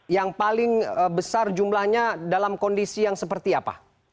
yang paling besar jumlahnya dalam kondisi yang seperti apa